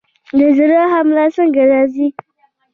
د زړه حمله څنګه راځي؟